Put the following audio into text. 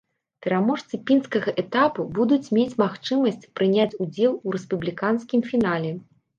Пераможцы пінскага этапу будуць мець магчымасць прыняць удзел у рэспубліканскім фінале.